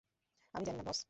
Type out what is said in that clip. আমি জানিনা বস।